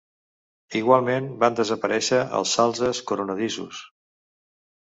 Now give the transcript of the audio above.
Igualment, van desaparèixer els salzes coronadissos.